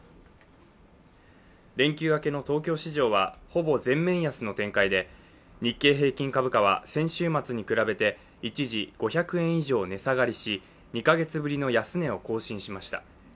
連休明けの東京市場ではほぼ全面安の展開で、日経平均株価は先週末に比べて一時５００円以上値下がりし２カ月ぶりの安値を更新しました。